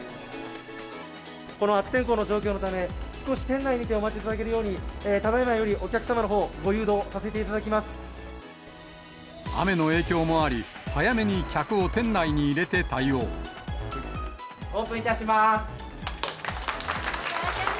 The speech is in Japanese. この悪天候の状況のため、少し店内にてお待ちいただけるように、ただいまより、お客様のほ雨の影響もあり、オープンいたします。